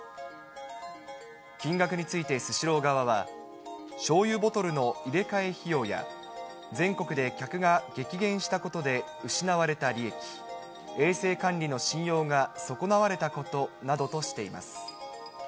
金額についてスシロー側は、しょうゆボトルの入れ替え費用や、全国で客が激減したことで失われた利益、衛生管理の信用が損なわれたことなどとしています。